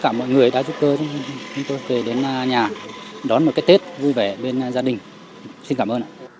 mọi người đã giúp tôi cho chúng tôi về đến nhà đón một cái tết vui vẻ bên gia đình xin cảm ơn